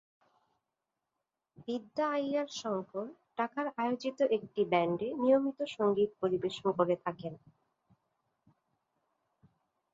বিদ্যা আইয়ার শঙ্কর টাকার আয়োজিত একটি ব্যান্ডে নিয়মিত সঙ্গীত পরিবেশন করে থাকেন।